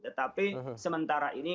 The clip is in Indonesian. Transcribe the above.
tetapi sementara ini